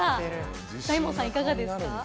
大門さん、いかがですか？